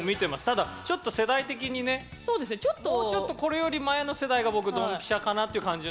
ただちょっと世代的にねもうちょっとこれより前の世代が僕ドンピシャかなっていう感じなので。